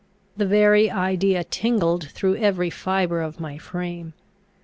The very idea tingled through every fibre of my frame.